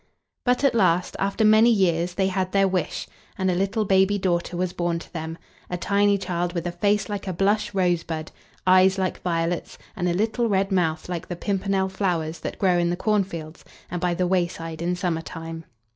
But at last, after many years, they had their wish, and a little baby daughter was born to them a tiny child with a face like a blush rosebud, eyes like violets, and a little red mouth like the pimpernel flowers that grow in the cornfields and by the wayside in summer time.